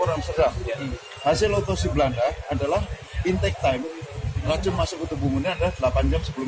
orang sedang hasil otopsi belanda adalah intake time racun masuk ke tubuh munir adalah delapan jam sebelum